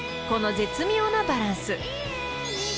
［この絶妙なバランス］